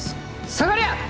下がりゃ！